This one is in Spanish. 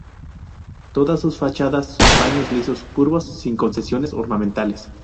Todas sus fachadas son paños lisos curvos sin concesiones ornamentales.